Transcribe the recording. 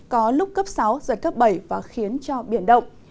có lúc cấp sáu giật cấp bảy và khiến cho biển động